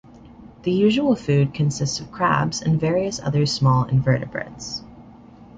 The usual food consists of crabs and various other small invertebrates.